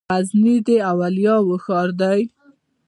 غزنی د اولیاوو ښار دی.